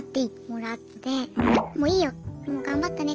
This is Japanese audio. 「もういいよもう頑張ったね。